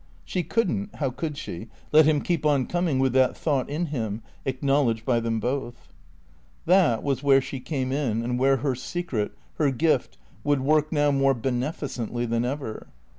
She couldn't (how could she?) let him keep on coming with that thought in him, acknowledged by them both. That was where she came in and where her secret, her gift, would work now more beneficently than ever.